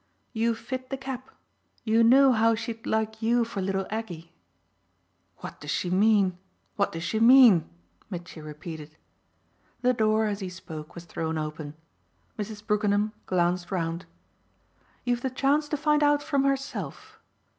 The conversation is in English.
"You fit the cap. You know how she'd like you for little Aggie!" "What does she mean, what does she mean?" Mitchy repeated. The door, as he spoke, was thrown open; Mrs. Brookenham glanced round. "You've the chance to find out from herself!"